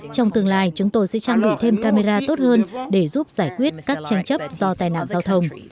trong tương lai chúng tôi sẽ trang bị thêm camera tốt hơn để giúp giải quyết các tranh chấp do tai nạn giao thông